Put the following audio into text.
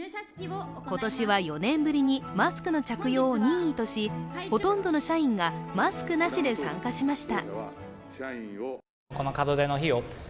今年は４年ぶりにマスクの着用を任意としほとんどの社員がマスクなしで参加しました。